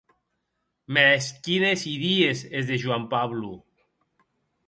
Mès quines idies es de Juan Pablo!